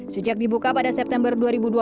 sejak dibuka pada september dua ribu dua puluh